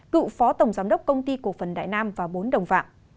cựu phó tổng giám đốc công ty cổ phần đại nam và bốn đồng phạm